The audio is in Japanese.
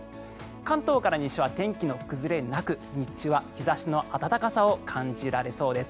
関東から西は天気の崩れなく日中は日差しの暖かさを感じられそうです。